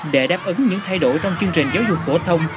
để đáp ứng những thay đổi trong chương trình giáo dục phổ thông